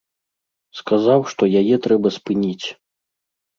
Сказаў, што яе трэба спыніць.